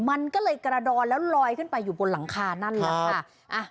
มันก็เลยกระดอนแล้วลอยขึ้นไปอยู่บนหลังคานั่นแหละค่ะ